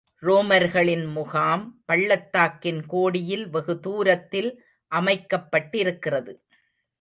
ரோமர்களின் முகாம், பள்ளத்தாக்கின் கோடியில் வெகு தூரத்தில் அமைக்கப்பட்டிருக்கிறது.